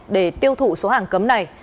để tiêu thụ số hàng cấm này